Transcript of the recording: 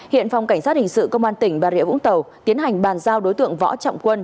hiện phòng cảnh sát hình sự công an tỉnh bà rịa vũng tàu tiến hành bàn giao đối tượng võ trọng quân